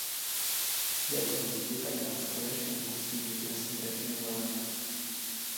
Jak výzvy, tak nástroje však musí být jasně definovány.